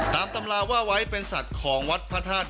ตำราว่าไว้เป็นสัตว์ของวัดพระธาตุ